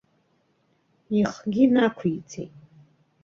Ихгьы инақәиҵеит.